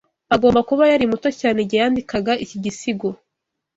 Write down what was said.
Agomba kuba yari muto cyane igihe yandikaga iki gisigo.